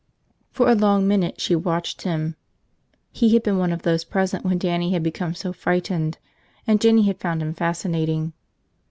For a long minute she watched him. He had been one of those present when Dannie had become so frightened. And Jinny had found him fascinating.